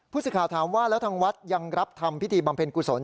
สิทธิ์ถามว่าแล้วทางวัดยังรับทำพิธีบำเพ็ญกุศล